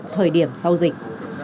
trong thời điểm sau dịch